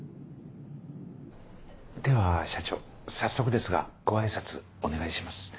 では社長早速ですがご挨拶お願いします。